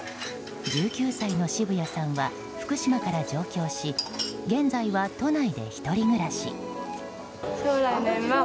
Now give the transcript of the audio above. １９歳の澁谷さんは福島から上京し現在は都内で１人暮らし。